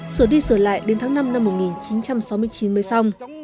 sửa đi sửa lại đến tháng năm năm một nghìn chín trăm sáu mươi chín mới xong